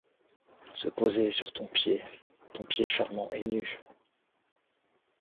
Se poser sur son pied ton pied charmant et nu.